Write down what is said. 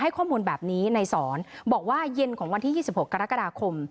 ข้อมูลแบบนี้ในสอนบอกว่าเย็นของวันที่๒๖กรกฎาคม